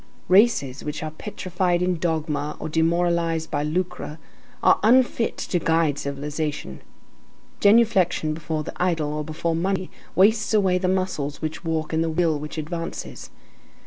Races which are petrified in dogma or demoralized by lucre are unfit to guide civilization. Genuflection before the idol or before money wastes away the muscles which walk and the will which advances.